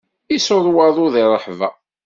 Isuḍ waḍu di ṛṛeḥba.